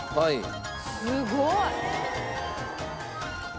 すごい！